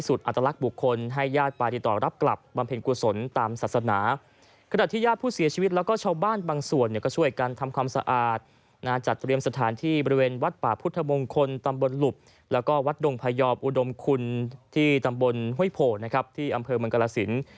อุดมคุณที่ตำบลห้วยโผล่ที่อำเภอบริษัทกราศิลป์